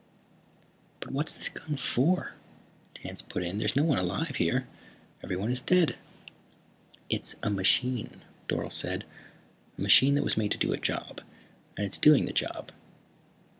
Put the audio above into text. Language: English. "But what's this gun for?" Tance put in. "There's no one alive here. Everyone is dead." "It's a machine," Dorle said. "A machine that was made to do a job. And it's doing the job.